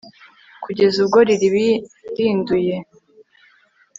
kugeza ubwo riribirinduye